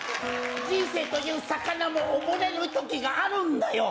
人生という魚も溺れるときがあるんだよ。